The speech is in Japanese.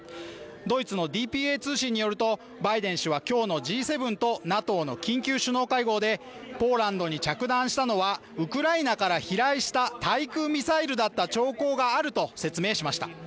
ドイツのＤＰＦ通信によると、バイデン氏はＧ７とＮＡＴＯの緊急首脳会合でポーランドに着弾したのはウクライナから飛来した対空ミサイルだった兆候があると説明しました。